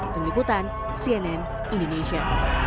tengiputan cnn indonesia